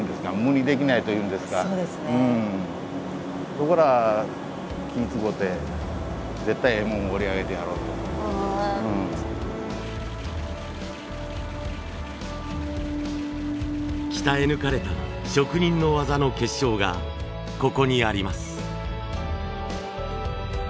僕ら気ぃ遣うて鍛え抜かれた職人の技の結晶がここにあります。